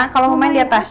kalau mau main di atas